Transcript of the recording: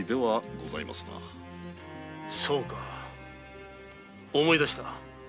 そうか思い出した。